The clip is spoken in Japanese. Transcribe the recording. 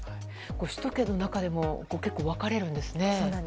首都圏の中でも結構、分かれるんですね。